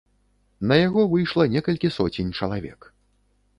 На яго выйшла некалькі соцень чалавек.